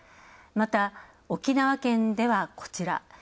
また沖縄県では、こちら。